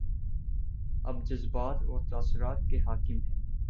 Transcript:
اب جذبات اور تاثرات حاکم ہیں۔